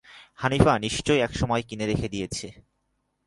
হানিফা নিশ্চয়ই একসময় কিনে রেখে দিয়েছে।